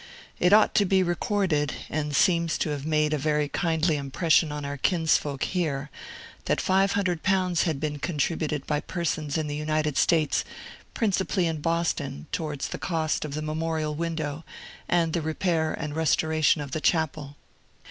It ought to be recorded (and it seems to have made a very kindly impression on our kinsfolk here) that five hundred pounds had been contributed by persons in the United States, principally in Boston, towards the cost of the memorial window, and the repair and restoration of the chapel.